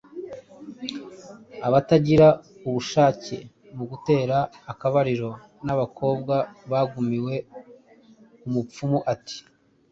Abatagira ubushake mu gutera akabariro n’abakobwa bagumiwe, umupfumu ati